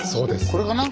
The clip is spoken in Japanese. これかな。